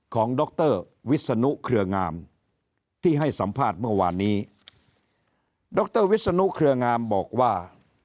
ดรวิศนุเครืองามที่ให้สัมภาษณ์เมื่อวานนี้ดรวิศนุเครืองามบอกว่า